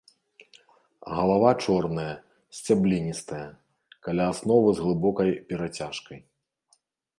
Галава чорная, сцябліністая, каля асновы з глыбокай перацяжкай.